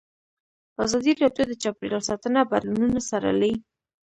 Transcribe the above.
ازادي راډیو د چاپیریال ساتنه بدلونونه څارلي.